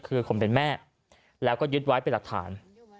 คือผมเป็นแม่แล้วก็ยึดไว้เป็นหลักฐาน